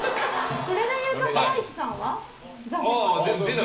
それでいうとハライチさんは？